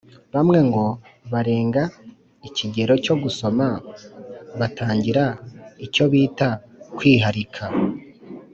bamwe ngo barenga ikigero cyo gusoma bagatangira icyo bita kwiharika